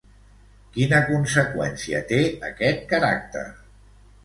Quina conseqüència té aquest caràcter?